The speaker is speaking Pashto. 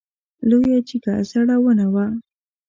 لویه جګه زړه ونه وه .